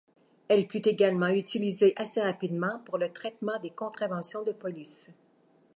Elle fut également utilisée assez rapidement pour le traitement des contraventions de police.